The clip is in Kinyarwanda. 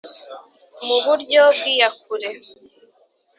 mu buryo bw iyakure